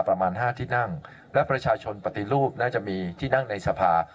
ประมาณห้าที่นั่งและประชาชนปฏิรูปน่าจะมีที่นั่งในสภา